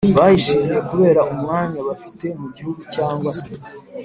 bahishiriye kubera umwanya bafite mu gihugu cyangwa se